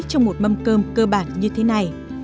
trong một mâm cơm cơ bản như thế này